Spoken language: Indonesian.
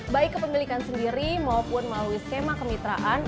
baik kepemilikan sendiri maupun melalui skema kemitraan